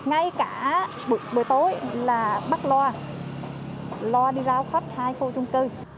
ngay cả buổi tối là bắt loa lo đi ra khắp hai khu chung cư